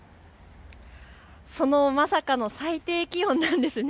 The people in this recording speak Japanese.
そのまさかの最低気温なんです。